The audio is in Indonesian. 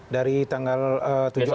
dari tanggal tujuh agustus